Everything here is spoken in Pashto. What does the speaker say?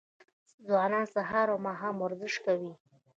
ځوانان سهار او ماښام ورزش کوي.